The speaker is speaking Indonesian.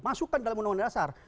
masukkan dalam undang undang dasar